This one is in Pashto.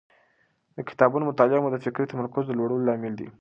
د کتابونو مطالعه مو د فکري تمرکز د لوړولو لامل دی.